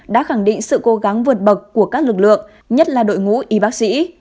đã khẳng định sự cố gắng vượt bậc của các lực lượng nhất là đội ngũ y bác sĩ